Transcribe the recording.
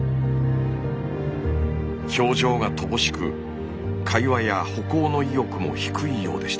表情が乏しく会話や歩行の意欲も低いようでした。